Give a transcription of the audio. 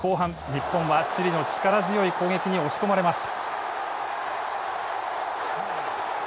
日本はチリの力強い攻撃に押し込まれます。